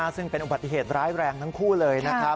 ซึ่งเป็นอุบัติเหตุร้ายแรงทั้งคู่เลยนะครับ